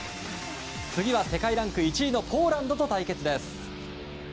次は、世界ランク１位のポーランドと対決です。